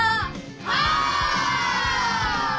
お！